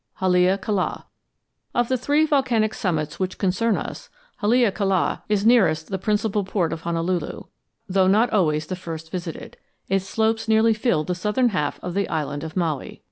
HALEAKALA Of the three volcanic summits which concern us, Haleakala is nearest the principal port of Honolulu, though not always the first visited. Its slopes nearly fill the southern half of the island of Maui.